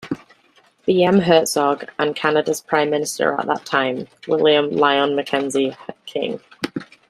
B. M. Hertzog and Canada's Prime Minister at that time, William Lyon Mackenzie King.